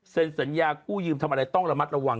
สัญญากู้ยืมทำอะไรต้องระมัดระวัง